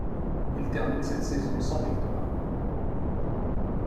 Il termine cette saison sans victoire.